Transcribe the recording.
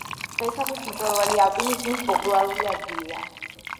დღეისათვის მწვერვალი ალპინიზმის პოპულარული ადგილია.